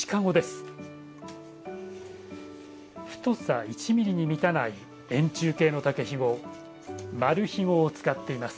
太さ１ミリに満たない円柱形の竹ひご丸ひごを使っています。